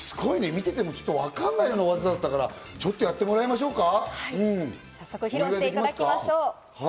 見ててもわからないような技があったから、ちょっとやってもらいましょうか。